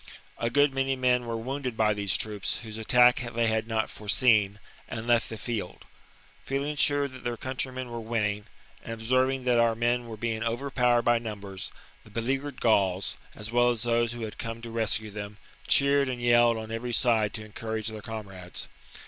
A good many men were wounded by these troops, whose attack they had not fore seen, and left the field. Feeling sure that their countrymen were winning, and observing that our men were being overpowered by numbers, the beleaguered Gauls, as well as those who had come to rescue them, cheered and yelled on every side to encourage their comrades.